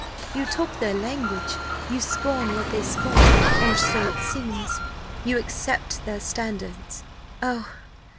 You talk their language; you scorn what they scorn, or so it seems; you accept their standards. Oh!